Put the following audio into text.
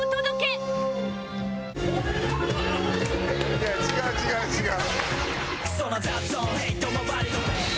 いや違う違う違う！